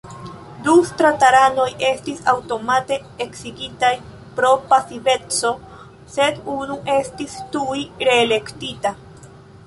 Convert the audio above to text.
Du estraranoj estis aŭtomate eksigitaj pro pasiveco, sed unu estis tuj reelektita.